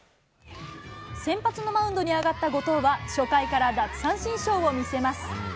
先発のマウンドに上がった後藤は、初回から奪三振ショーを見せます。